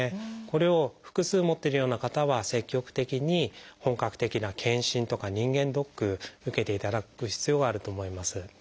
これを複数持ってるような方は積極的に本格的な検診とか人間ドック受けていただく必要があると思います。